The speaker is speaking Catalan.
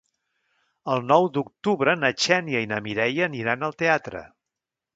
El nou d'octubre na Xènia i na Mireia aniran al teatre.